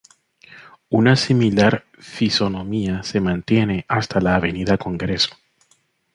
Una similar fisonomía se mantiene hasta la Avenida Congreso.